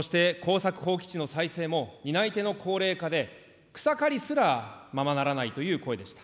そして耕作放棄地の再生も担い手ので草刈りすらままならないという声でした。